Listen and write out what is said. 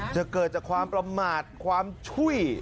จะเกิดจากความประมาทความช่วย